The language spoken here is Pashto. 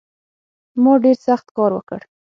ما ډېر سخت کار وکړ